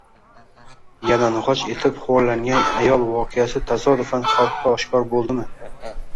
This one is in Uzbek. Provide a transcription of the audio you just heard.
Yalang‘och etib xo‘rlangan ayol voqeasi tasodifan xalqqa oshkor bo‘ldimi?